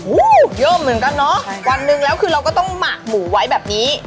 เยอะเหมือนกันเนอะวันหนึ่งแล้วคือเราก็ต้องหมักหมูไว้แบบนี้